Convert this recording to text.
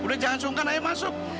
udah jangan sungkan ayo masuk